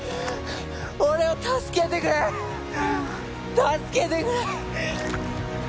俺を助けてくれ助けてくれ